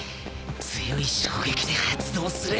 強い衝撃で発動する。